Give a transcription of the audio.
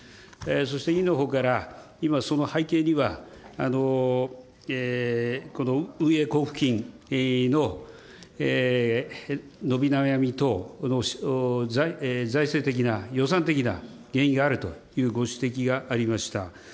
そして委員のほうから、今、その背景には、この運営交付金の伸び悩み等の財政的な、予算的な原因があるというご指摘がありました。